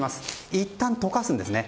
いったん、溶かすんですね。